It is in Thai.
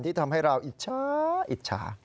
ที่ทำให้เราอิจชาอิจชา